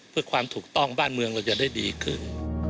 เพื่อความถูกต้องบ้านเมืองเราจะได้ดีขึ้น